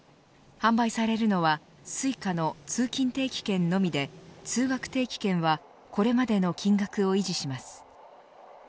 販売されるのはＳｕｉｃａの通勤定期券のみで通学定期券はこれまでの金額を維持します。